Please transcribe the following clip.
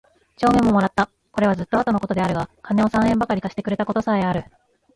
帳面も貰つた。是はずつと後の事であるが金を三円許り借してくれた事さへある。